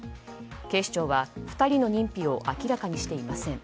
警視庁は２人の認否を明らかにしていません。